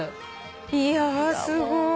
いやすごい。